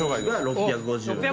６５０円。